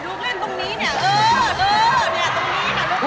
ไม่ได้นะครับ